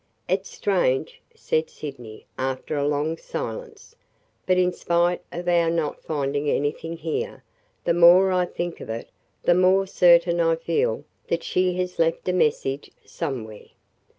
"It 's strange," said Sydney, after a long silence, "but in spite of our not finding anything here, the more I think of it, the more certain I feel that she has left a message somewhere!